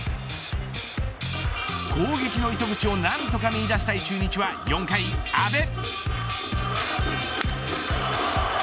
攻撃の糸口を何とか見いだしたい中日は４回、阿部。